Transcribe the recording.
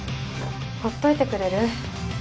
ほっといてくれる？